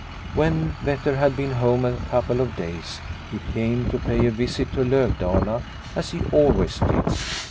When Vetter had been at home a couple of days he came to pay a visit to Lovdala, as he always did.